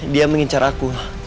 dia mengincar aku